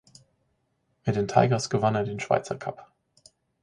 Mit den Tigers gewann er den Schweizer Cup.